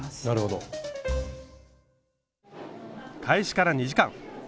開始から２時間。